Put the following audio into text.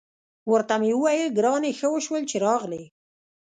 ورته مې وویل: ګرانې، ښه وشول چې راغلې.